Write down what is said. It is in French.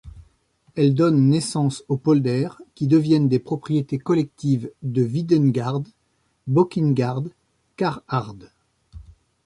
Elle donne naissance aux polders qui deviennent des propriétés collectives de Wiedingharde, Bökingharde, Karrharde.